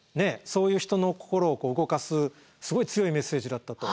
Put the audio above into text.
そういう人の心を動かすすごい強いメッセージだったと。